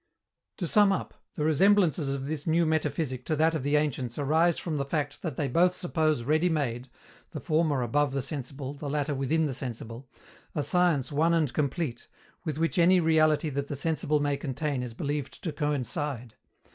To sum up, the resemblances of this new metaphysic to that of the ancients arise from the fact that both suppose ready made the former above the sensible, the latter within the sensible a science one and complete, with which any reality that the sensible may contain is believed to coincide.